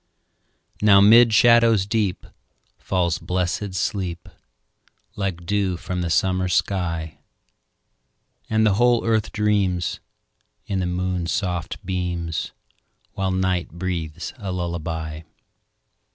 Now 'mid shadows deep Falls blessed sleep, Like dew from the summer sky; And the whole earth dreams, In the moon's soft beams, While night breathes a lullaby.